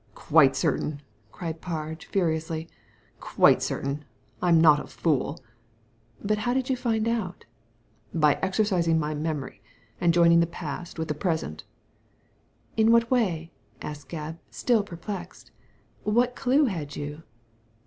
"Quite certain!" cried Parge, furiously. "Quite certain. Fm not a fool." " But how did you find out ?"" By exercising my memory and joining the past with the present" "In what way?" asked Gebb, still perplexed "What clue had you?"